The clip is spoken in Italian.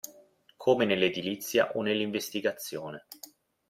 Come nell'edilizia o nell'investigazione.